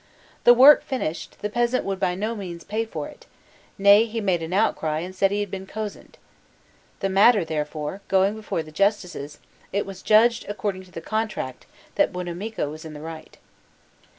The work finished, the peasant would by no means pay for it; nay, he made an outcry and said he had been cozened. The matter, therefore, going before the Justices, it was judged, according to the contract, that Buonamico was in the right.